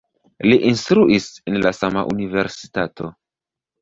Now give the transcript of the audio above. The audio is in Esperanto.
Li instruis en la sama universitato.